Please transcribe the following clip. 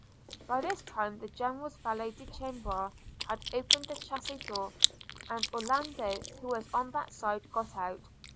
– By this time the General's valet de chambre had opened the chaise door, and Orlando , who was on that side, got out.